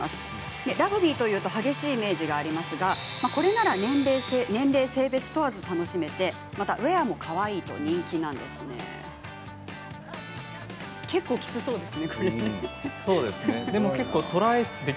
ラグビーというと激しいイメージがありますがこれなら年齢性別問わず楽しめウエアもかわいいと人気なんです。